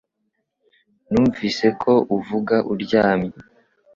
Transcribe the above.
Numvise ko uvuga uryamye.